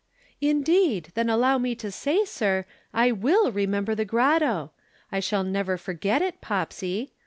_] "'Indeed. Then allow me to say, sir, I will remember the grotto. I shall never forget it, Popsy.